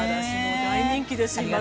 ◆大人気です。